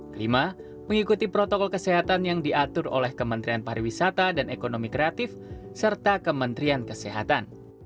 kelima mengikuti protokol kesehatan yang diatur oleh kementerian pariwisata dan ekonomi kreatif serta kementerian kesehatan